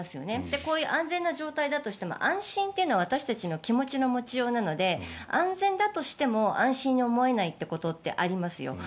こういう安全な状態だとしても安心というのは私たちの気の持ちようなので安全だとしても安心に思えないことってありますよ。